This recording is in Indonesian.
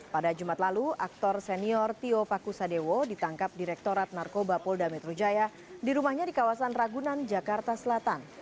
pada jumat lalu aktor senior tio pakusadewo ditangkap direktorat narkoba polda metro jaya di rumahnya di kawasan ragunan jakarta selatan